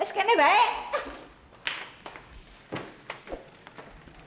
eh skannya baik